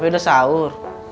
papi udah sahur